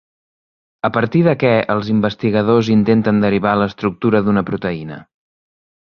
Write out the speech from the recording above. A partir de què els investigadors intenten derivar l'estructura d'una proteïna?